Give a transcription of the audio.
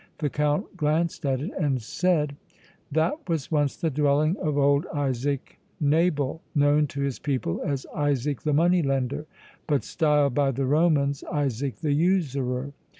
The Count glanced at it and said: "That was once the dwelling of old Isaac Nabal, known to his people as Isaac the Moneylender, but styled by the Romans Isaac the Usurer.